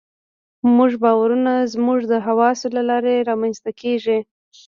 زموږ باورونه زموږ د حواسو له لارې رامنځته کېږي.